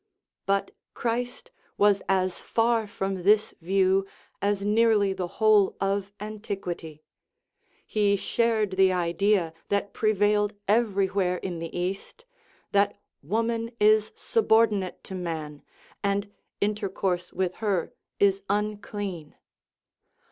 But Christ was as far from this view as nearly the whole of antiquity; he shared the idea that prevailed everywhere in the East that woman is subordinate to man, and inter course with her is " unclean."